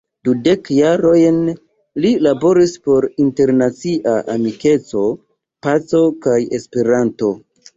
Dudek jarojn li laboris por internacia amikeco, paco kaj Esperanto.